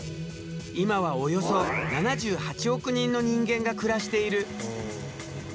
今はおよそ７８億人の人間が暮らしている。